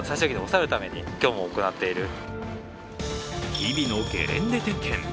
日々のゲレンデ点検。